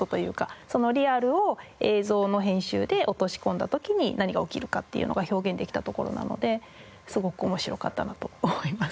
そのリアルを映像の編集で落とし込んだ時に何が起きるかっていうのが表現できたところなのですごく面白かったなと思います。